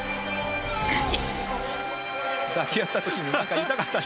しかし。